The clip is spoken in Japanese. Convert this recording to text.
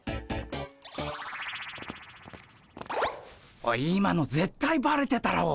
おい今のぜったいバレてたろ。